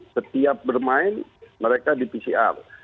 setiap bermain mereka di pcr